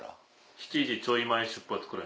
７時ちょい前出発くらい。